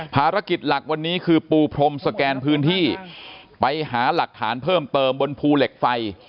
ภารกิจหลักวันนี้คือปูพรมสแกนพื้นที่ไปหาหลักฐานเพิ่มเติมบนภูเหล็กไฟ